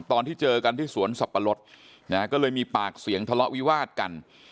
ตอนที่เจอกันที่สวนสับปะรดนะฮะก็เลยมีปากเสียงทะเลาะวิวาดกัน